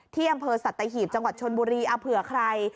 ที่อำเภอสัตหีบจังหวัดชนบุรีเอาเผื่อใคร